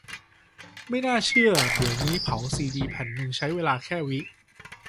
ไม่น่าเชื่อว่าเดี๋ยวนี้เผาซีดีแผ่นนึง ใช้เวลาแค่ วิ